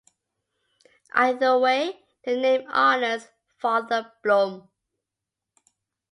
Either way, the name honors Father Blume.